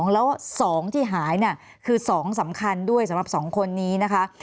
แล้ว๒ที่หายคือ๒สำคัญด้วยสำหรับ๒คนนี้นะคะ